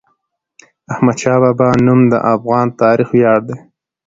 د احمدشاه بابا نوم د افغان تاریخ ویاړ دی.